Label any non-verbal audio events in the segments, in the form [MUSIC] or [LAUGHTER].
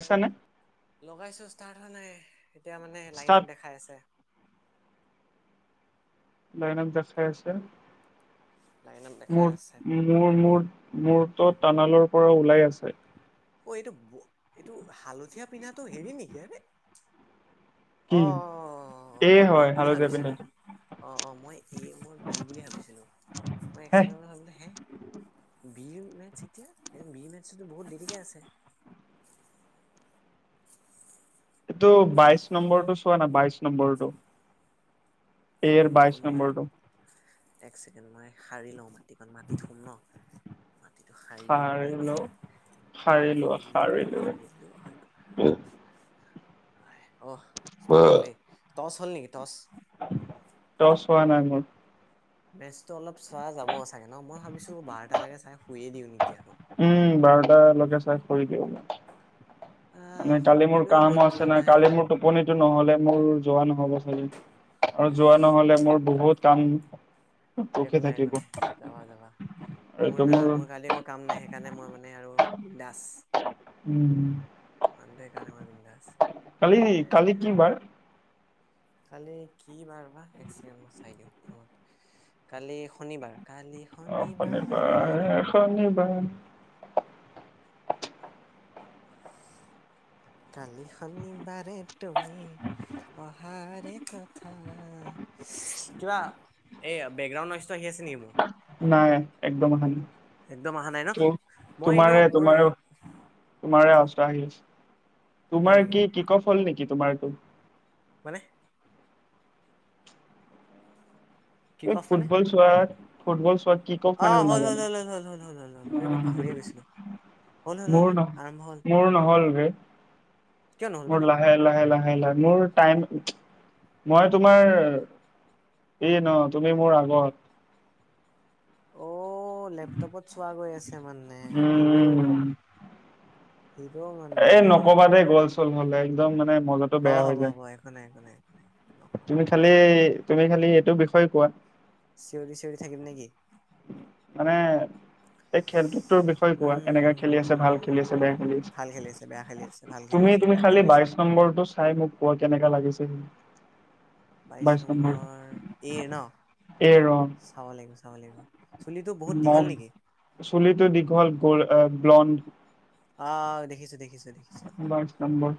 আছা নে। লগাইছো ষ্টাৰ্ট হ নাই এতিয়া মানে লাইন ষ্টাৰ্ট আপ দেখাই আছে। দাইনেক দেখাই আছে। লাইন আপ দেখাই ম আছে মোৰ ম মৰ্ত টানালৰ পৰা ওলাই আছে। অ এইটো এইটো হালধীয়া পিন্ধাটো হেৰি নেকি আৰে। অ কি অ অ এ মই বি হয় বুলি হালধীয়া ভাবিছিলো পিন্ধাটো অ অ মই এ মই বি বুলি ভাবিছিলো? মই এক হে কেণ্ড ভাবিলো হ। বি মেথছ এতিয়া বি মেথছতো বহুত দেৰিকৈ আছে। এইটো হে বাইশ নম্বৰটো চোৱা নাই বাইশ নম্বৰৰতটো? উম এৰ বাইশ কোনোবা নম্বৰটো? এক চেকেণ্ড মই সাৰি লওঁ মাটিক মাটিত সোম ন। মাটিটো সাৰি দিওঁ ধুনীয়াকে। সাৰি লোৱা দিলো সাৰি লোৱা সাৰিলো হৈ গল সাৰ দিলো। অঁহ ষ্টাৰ্ট হ'লেই টচ হ'ল নেকি টচ। টচ হোৱা নহয়। মেচটো অলপ চোৱা যাব চাগে ন মই ভাবিছো বাৰটালকে চাই শুয়ে দিওঁ নেকি আৰু। উম বাৰটালৈকে চাই শুই দিওঁ। আহ মানে কালি মোৰ শুবলৈও মন কামো আছে যোৱা ন নাই কালি মোৰ টোপনিতটো নহ'লে। মোৰ যোৱা নহ'ব চাগে আৰু যোৱা নহলে মোৰ বহুত কাম। ৰখি একো নাই একো থাকিব নাই যাবা যাবা মোৰ না মোৰ কালি একো কাম নাই। সেইকাৰণে মই মানে আৰু বিদাচ উম আনটোই কাৰণে [UNINTELLIGIBLE] মাৰ বিন্দাস কালি এ। কালি কি বাৰ? কালি কি বাৰ বা এক ছেকেণ্ডৰ মই চাই দিওঁ ফোনত কালি শনিবাৰ। অহ শনিবাৰ শনিবাৰ। কালি শনিবাৰে তুমি অহাৰে কথা। কিবা এই বেকগ্ৰাউণ্ড নৈছে আহি আছে নেকি মোৰ। নাই একদম আহা নাই একদম অহা নাই ন কি? মই এনে তোমাৰে মোৰ। তোমাৰে তোমাৰে আস্তা আহি আছে হয় তোমাৰ নেকি কি কি ক হল নেকি তোমাৰটো মানে। কিক এ অফ মানে ফুটবল চোৱা ফুটবল চোৱা কি কওফ অ মানে জন হ'ল হ'ল নাজানো। হ'ল হ'ল হ'ল হ'ল হ'ল হ'ল এই মই পাহৰিয়ে গৈছিলো হ'ল হ'ল [UNINTELLIGIBLE] হ'ল মোৰ হ'ল নহল আৰম্ভ হ'ল মোৰ নহ'ল বে কিয় নহ'ল মোৰ মানে লাহে লাহে। লাহে লাহে মোৰ টাইম, মই তোমাৰ এই ন। তুমি মোৰ আগত। অহ লেপটপত চোৱা গৈ আছে মানে হিৰো উম। হিৰো মানে এ নকবা দে গল্ল চোল হলে একদম মানে। মজাটো হ'ব বেয়া হৈ হব যায়। হ'ব একোনাই একো নাই নকওঁ তুমি খালি তুমি খালি এইটো বিষয়ে কোৱা চিঞৰি চিঞৰি থাকিম নেকি? মানে এই খেলটো। তোৰ বিষয়ে কোৱা এনেকাে খেলি আছে ভাল খেলি আছে বেয়া খেলি উম ভাল খেলি বেয়া খেলি আছে। ভাল খেলি তুমি আছে তুমি বেয়া খালি খেলি আছে বাইশ নম্বৰটো চাই মোক কোৱা কেনেকা লাগিছে সি। বাইশ নম্বৰ এৰ ন চাব লাগিব চাব লাগিব চুলিটো বহুত ম দীঘল নেকি চলিতো দীঘল গল ব্লণ্ড। অঁহ দেখিছোঁ দেখিছোঁ দেখিছোঁ বাইশ নম্বৰ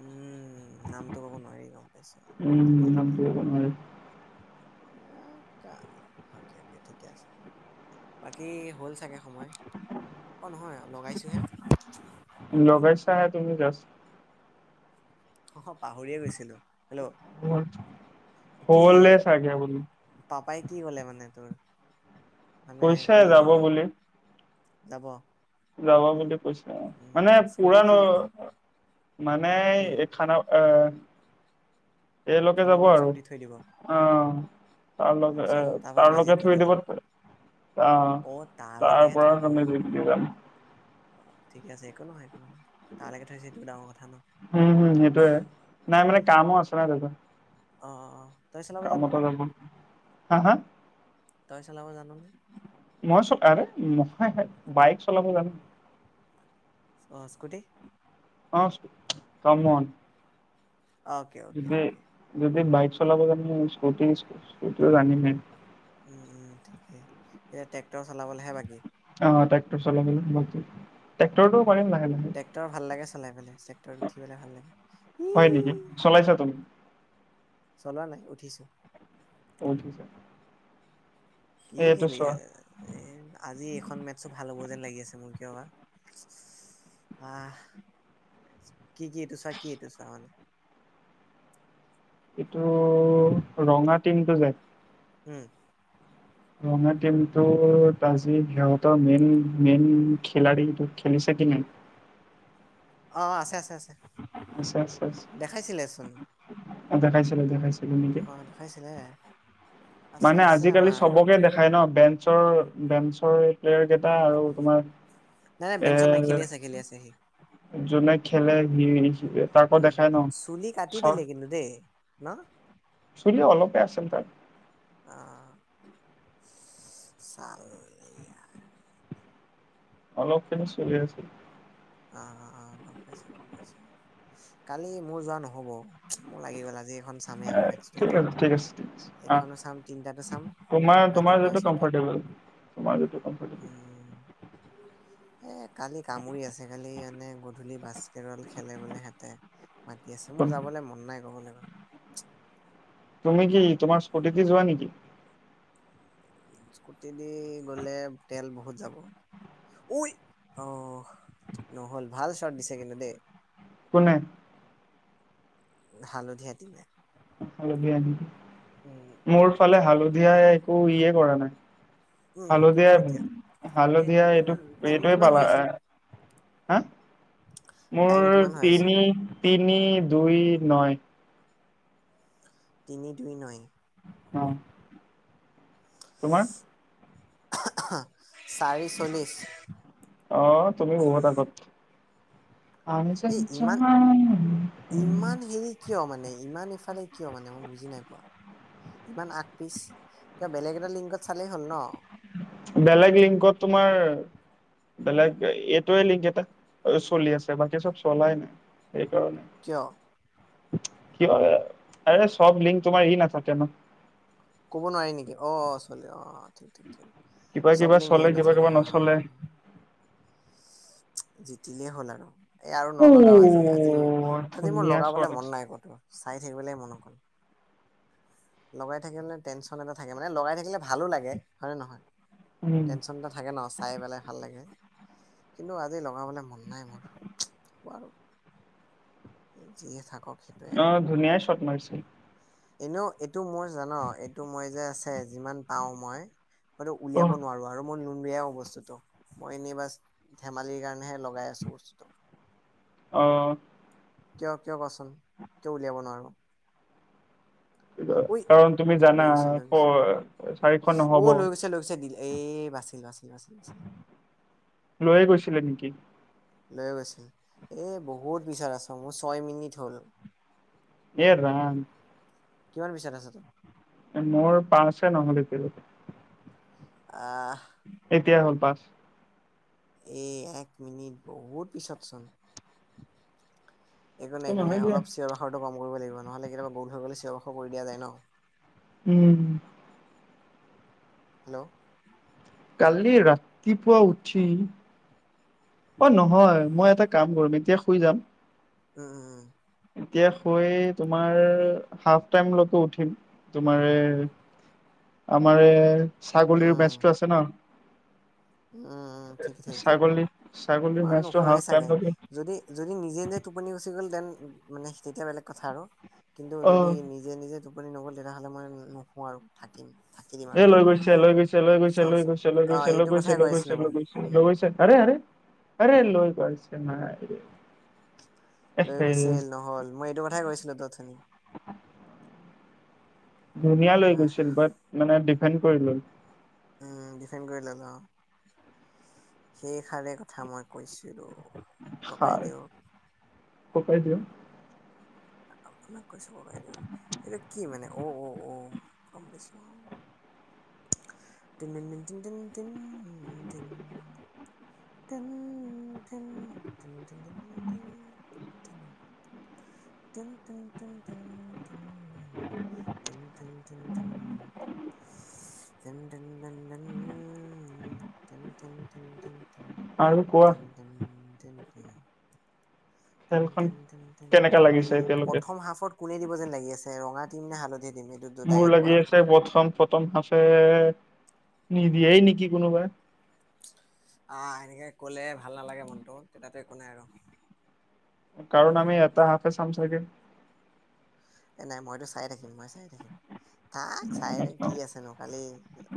উম নামটো ক'ব নোৱাৰি ন উম নামতো ক'ব নোৱাৰি তা সাকে এতিযা ঠিকে আছে বাকী হ'ল চাগে সময়। অঁহ নহয় লগাইছোঁহে। লগাইছা হে তুমি জাষ্ট। অহ পাহৰিয়ে গৈছিলো। হেল্ল' হল কি হলে চাগে আকোনো পাপাই কি ক'লে মানে তোৰ। মানে কৈছে কি যাব হ'ব বুলি। যাব। যাব বুলি। কৈছে মানে উম স্কুটি পোৰা কি ন মানে উম খানা আহ। এ লৈকে যাব খানাপাৰাত আৰু স্কুটি থৈ দিব অহ তাৰ লগে এ তাৰপিছত তাৰপৰা তাৰ মেজিক লগে থুই কাবা দিব যাব অহ অ তাৰ তালৈকেহে পৰা থব তুমি ভেন্দি দি যাম ঠিকে আছে। একো নহয় - একো নহয় তালৈকে থৈছে এইটো ডাঙৰ কথা ন। উম, হম, সেইটোয়ে নাই মানে কামো আছিল ন তেটো। অ - অ। তই চলাব কামত জাননে হা - হা। তই চলাব জানো। হয় - হয় বাইক চলাব জানো। অ স্কুটি। অ, scooty come on. Okay okay যদি অকে যদি বাইক চলাব জানে স্কুটি সটি জানমে। এয়া ট্ৰেক্টৰ চললৈহে বাকী। অহ, ট্ৰেক্টৰ চলাব লাগিব ট্ৰেক্টৰটো পাৰিম লাহে লাহে টেক্টৰ ভাল লাগে চলাই পেলাই টেক্টৰ উঠি পেলাই ভাল লাগে হয় নেকি উম। চলাইছা তুমি তলা নাই উঠিছো। অ, ঠিক আছে। কি এইটো খেলি এ চোৱা আজি এইখন মেথছো ভাল হ'ব যেন লাগি আছে মোৰ কিয় বা। [INAUDIBLE] অহ ', কি-কি এইটো চা কি এইটো চা মানে এইটো ৰঙা টিমটো যে উম ৰঙা টিমটো আজি সিহতৰ মেইন - মেইন খেলাডী খেলিছে। পজিন অ, আছে - আছে - আছে আছে আছে দেখাইছিলেচোন। দেখাইছিলো - দেখিছিলো। অ, দেখাইছিলে আছে মানে আছে আজিকালি আমাৰ চবকে দেখাই ন বেঞ্চৰ - বেঞ্চৰ প্লেয়াৰ কেইটা আৰু তোমাৰ নাই - নাই এ বেঞ্চন নাই খেলি আছে - খেলি আছে সি। যোনে খেলে সি তাকো উম, দেখাই ন চুলি চ কাটি দিলে কিন্তু দেই ন। চুলি অলপে আছে তাৰ অ, চাল [UNINTELLIGIBLE] অলপখিনি চলি আছিল। অ - অ - অ গম পাইছো-গম পাইছো কালি মোৰ যোৱা নহ'ব মোৰ লাগি গ'লা। আজি এখন চামেই এ আৰু মে ঠিক এতিয়া আছে ঠিক আছে ঠিক আছে অ এইখনো চাম তিনটাতো চাম সোম ৰাতিপুৱা, ছটাত মটো [UNINTELLIGIBLE] কমফটেব। উম এ কালি কামুৰি আছে কালি। স এনে গধূলি বাস্কেটবল খেলে বোলে সিহতে মাতি আছে মোৰ যাবলৈ মন নাই। নহলে মানে তুমি কি তোমাৰ স্কুটিতি যোৱা নেকি? স্কুটি দি গ'লে তেল বহুত যাব। উই, অহ, নহ'ল ভাল চট দিছে কিন্তু দেই। কোনে? হালধীয়া টিমে। হালধীয়া নেকি উম মোৰ ফালে হালধীয়াই একো ইয়ে কৰা নাই। উম দিব হালধীয়া এতিয়া - এ হালধীয়া এইটো কিমান টাইম এইটোৱে কিমান হৈ পালা আছে আহ। নো হা মোৰ টাইম কিমান হৈ আছে তিনি - তিনি দুই নই তিনি দুই নই হ'ব। অ তোমাৰ? চাৰি চল্লিছ। অ তুমি বহুত আগত আ এই চ ইমান উ [UNINTELLIGIBLE] নে ইমান ইফালে কিয় মানে মই বুজি নাই পোৱা। ইমান আগ পিচ কিয় বেলেগ এটা লিংকত চালেই হ'ল ন। বেলেগ লিংকত তোমাৰ- বেলেগ এইটোৱে লিংগ এটা চলি আছে বাকী চব চলাই নাই। কিয় সেইকাৰণে- কি হয় আৰে সব লিংক তোমাৰ ই নাথাকে ন- কব নোৱাৰি নেকি অ চালি অ ঠিক ঠিকে কিবা চব কিবা লিংগ চলে ই কিবা নথাকে কিবা অ নচলে যেতিলেই হ'ল আৰু- এ আৰু উ নলগাও আজি আজি আজি মোৰ ধুনীয়া শ্বট লগাবলে মন আছে নাই কতো চাই- সেইবেলাই মনো গল লগাই থাকিবে টেনশ্যন এটা থাকে মানে লগাই থাকিলে ভালো লাগে হয় নে নহয়। উম টেনচন এটা থাকে ন চাই পেলাই ভাল লাগে। কিন্তু আজি লগাবলৈ মন নাই মোৰ বাল যিয়ে থাকক অ আৰু ধুনীয়াই শট মাৰিছিল। এনেও এইটো মোৰ জান, এইটো মই যে আছে যিমান পাও মই মইতো অ উলিয়াব নোৱাৰো আৰু মই বেয়াও বস্তুটো মই এনেই বছ ধেমালিৰ কাৰণেহে লগাই আছো বস্তুটো। অ। কিয় কিয় কোৱাচোন কিয় উলিয়াব নোৱাৰো? ঐ কাৰণ তুমি জানা লৈ গৈছে লৈ গৈছে প- চাৰিশ নহ'ব অ লৈ গৈছে লৈ গৈছে দিলে। এই বাচিল বাচিল বাচিল। ছিলে নেকি? লৈ গৈছিল। এ বহুত বিচাৰ আছে মোৰ ছয় মিনিট হ'ল। এ ৰাম কিমান পিছত আছে তোৰ? মোৰ পাঁচে নহল এতিয়ালৈকে আহ এতিয়া হ'ল পাচ। এ এক মিনিট বহুত পিছত চোন। একো নাই একো নহয় নাই দিয়া অলপ চিঞৰ বাখৰটো কম কৰিব লাগিব, নহ'লে কেতিয়াবা গোল হৈ গ'লে চিঞৰ বাখৰ কৰি দিয়া যায় ন। উম। হেল্ল', কালি ৰাতিপুৱা উঠি অ নহয় মই এটা কাম কৰিম এতিয়া শুই যাম, উম উম উ এতিয়া হৈ তোমাৰ হাফ টাইমলৈকে উঠিম তোমাৰ আমাৰ এ উম ছাগলীৰ বাছটো আছে ন, উম উম ঠিক ঠিক ছাগলী ছাগলীৰ মই মেচটো নোশুৱে হাফ চাগে। টাইমলৈকে যদি যদি নিজে নিজে টোপনি গুচি গ'ল দেন মানে তেতিয়া বেলেগ কথা আৰু কিন্তু অ যদি নিজে নিজে টোপনি নগ'লে তেতিয়াহ'লে মই নোশু আৰু থাকিম। থাকি দিম অ আৰু। লৈ গৈছে লৈ গৈছে লৈ গৈছে লৈ চাওঁচোন গৈছে লৈ অ গৈছে লৈ এইটো কথাই কৈ গৈছে আছিলো মই লৈ উম। গৈছে আৰে আৰে আৰে লৈ পাইছে, নাই ৰে লৈ এহে, গৈছিল নহল, মই এইটো কথাই কৈছিলোতো অথনি। ধুনীয়া লৈ হাহ গৈছিল, বাট মানে ডিপেণ্ড কৰি গল। উ ডিফেণ্ড কৰিলে ন, সেইষাৰে কথা মই কৈছো। হয়। ক পাই থিয় [UNINTELLIGIBLE] আপোনাক কৈছে ককাইদেউ এইটো কি মানে। অঁ অ অ' গম পাইছো তিনিন - টিনিন - তিন [UNINTELLIGIBLE] তিন তিন তিন্তিনিতিন তিন তিন- তিন তিন -তিন তিন- তিন তিন- তিন, তিন -তিন তিন। তেন- তেন, তেনন- তেনন তেন আৰু কোৱা -তেন, তেন - খেলখন তেন্তন্তন কেনেকা লাগিছে এতিয়ালৈকে প্ৰথম হাফত কোনে দিব যেন লাগি আছে ৰঙা টিম নে হালধীয়া টিম? সেইটো মোৰ ডাইৰেক্ট কোৱা লাগি আৰু আছে তুমি। প্ৰথন পথম সচ- এ নিদিয়েই নেকি কোনোবাই। অ এনেকৈ ক'লে ভাল নালাগে মনটো, তেতিয়াতো একো নাই আৰু। কাৰণ আমি এটা হাফে চাম চাগে এ নাই মইতো চাই থাকিম মই চাই থাকিম। তাক চাই কি মোৰ আছেনো, কালি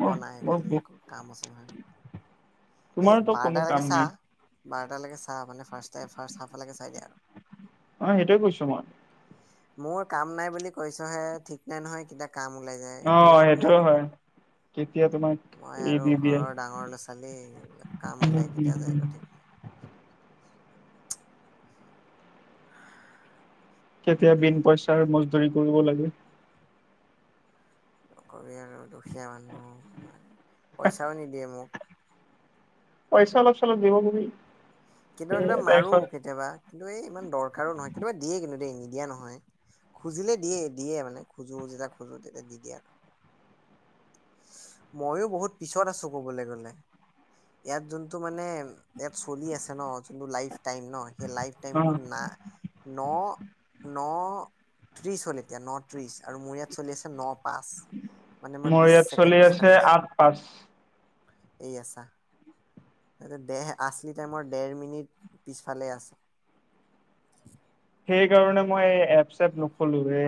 অ নাই মোৰ কালি আকৌ কাম আছে নহয়। এই তোমাৰতো কোনো বাৰটালৈকে কাম নাই চাহ বাৰটা লৈকে চাহ তাৰ মানে ফাৰ্ষ্ট তাই [INAUDIBLE] ফাৰ্ষ্ট হাফলৈ চাই দিয়া আৰু অ সেইটোৱে কৈছো মই মোৰ কাম নাই বুলি কৈছো হে ঠিক নাই নহয় কেতিয়া কাম ওলাই যায়, অ একো ঠিক নাই। সেইটোও হয় কেতিয়া তোমাক মই এৰি আৰু দি দিয়ে ঘৰৰ ডাঙৰ ল'ৰা ছোৱালী এইবিলাক কাম উম, ওলাই উম, কেতিয়া যায় উম। একো ঠিক নাই। [INAUDIBLE] কেতিয়া বিন পইচাৰ মজদুৰি কৰিব লাগে। নকবি আৰু দুখীয়া মানুহ, পইচাও নিদিয়ে মোক। পইচা অলপ চলপ দিব বুলি কেতিয়াবা কেতিয়াবা মাৰো কেতিয়াবা কিন্তু এই ইমান দৰকাৰো নহয়, কেতিয়াবা দিয়ে কিন্তু দেই। নিদিয়া নহয় খুজিলে দিয়ে দিয়ে মানে খোজো যেতিয়া খোজো তেতিয়া দি দিয়ে আৰু ময়ো বহুত পিছত আছো কবলৈ গলে। ইয়াত যোনটো মানে ইয়াত চলি আছে ন যোনটো লাইফ টাইম নহ! সেই লাইফ টাইম টো না ন ন ত্ৰিছ হ'ল এতিয়া ন ত্ৰিশ আৰু মোৰ ইয়াত চলি আছে ন পাচ মানে মই মোৰ বিশ ইয়াত ছেকেণ্ড। চলি আছে পিছফালে আছো আঠ পাচ এইয়া চা। দে আচলি টাইমৰ দেৰ মিনিট পিছফালে আছো। সেই কাৰণে মই এপ চপ নখোলো যে